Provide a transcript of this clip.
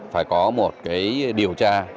phải có một điều tra